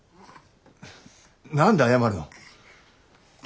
何で謝るの？